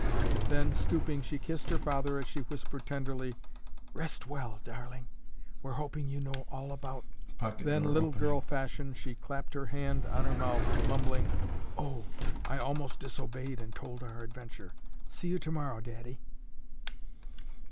Then, stooping, she kissed her father as she whispered tenderly, "Rest well, darling. We're hoping you know all about—" then, little girl fashion, she clapped her hand on her mouth, mumbling, "Oh, I most disobeyed and told our adventure. See you tomorrow, Daddy."